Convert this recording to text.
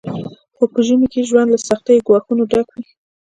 خو په ژمي کې ژوند له سختو ګواښونو ډک وي